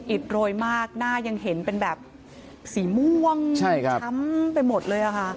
อิดโรยมากหน้ายังเห็นเป็นแบบสีม่วงช้ำไปหมดเลยค่ะ